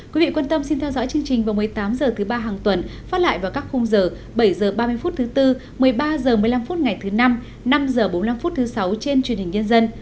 quý vị quan tâm xin theo dõi chương trình vào một mươi tám h thứ ba hàng tuần phát lại vào các khung giờ bảy h ba mươi phút thứ bốn một mươi ba h một mươi năm ngày thứ năm năm h bốn mươi năm phút thứ sáu trên truyền hình nhân dân